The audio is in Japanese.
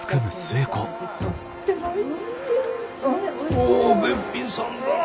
おおっべっぴんさんだな。